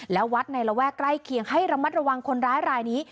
และวัดในระแวกใกล้เคียงให้ระมัดระวังคนร้ายรายนี้